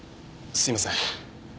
すいません。